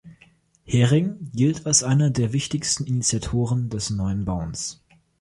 Häring gilt als einer der wichtigsten Initiatoren des Neuen Bauens.